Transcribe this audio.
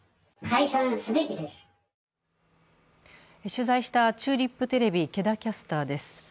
取材したチューリップテレビ、毛田キャスターです。